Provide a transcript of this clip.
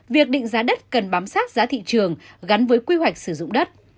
việc định giá đất cần bám sát giá thị trường gắn với quy hoạch sử dụng đất